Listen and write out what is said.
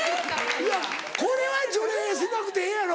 いやこれは除霊しなくてええやろ。